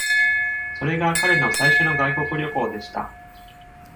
それが彼の最初の外国旅行でした。